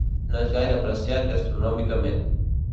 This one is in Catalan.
No és gaire apreciat gastronòmicament.